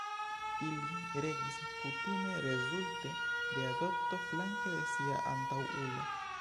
Ili regis kutime rezulte de adopto flanke de sia antaŭulo.